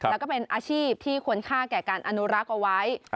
แล้วก็เป็นอาชีพที่ควรค่าแก่การอนุรักษ์เอาไว้